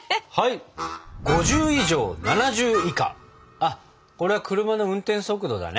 あこれは車の運転速度だね？